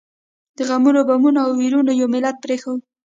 د غمونو، بمونو او ويرونو یو ملت پرېښود.